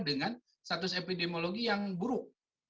dengan status epidemiologi yang buruk